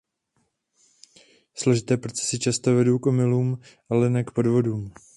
Složité procesy často vedou k omylům, ale ne k podvodům.